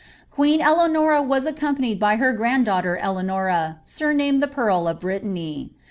Queen Eleanora was arcompanied by her grand daughter Eleanora, sumamed the Pearl of Brittany.